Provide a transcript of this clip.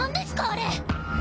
あれ！